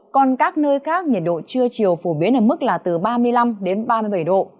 còn các nơi khác nhiệt độ trưa chiều phổ biến ở mức là từ ba mươi năm đến ba mươi bảy độ